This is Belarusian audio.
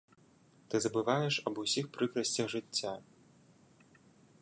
Ты забываеш аб усіх прыкрасцях жыцця.